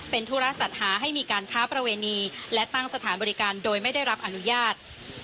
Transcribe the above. เป็นธุระจัดหาให้มีการค้าประเวณีและตั้งสถานบริการโดยไม่ได้รับอนุญาต